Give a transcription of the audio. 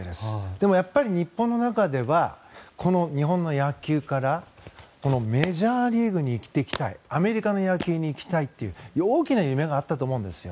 でも、やっぱり日本の中では日本の野球からメジャーリーグに行きたいアメリカの野球に行きたいという大きな夢があったと思うんですよ。